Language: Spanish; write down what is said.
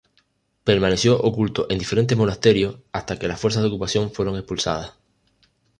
Permaneció oculto en diferentes monasterios hasta que las fuerzas de ocupación fueron expulsadas.